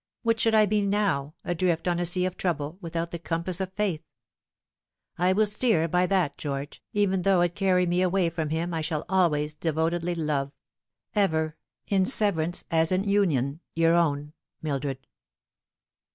What should I be now, adrift on a sea of trouble, without the compass of faith ? I will steer by that, George, even though it carry me away from him I shall always devotedly love. Ever, in severance as in union, your own " MILDRED."